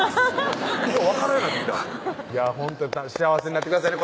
よう分からんようなってきたほんと幸せになってくださいね